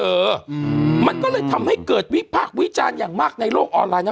เออมันก็เลยทำให้เกิดวิพากษ์วิจารณ์อย่างมากในโลกออนไลน์นะ